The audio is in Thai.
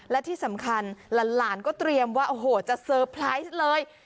และที่สำคัญหลานก็เตรียมว่าโอ้โหจะเตอร์ไพรส์เลย